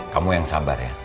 kamu yang sabar ya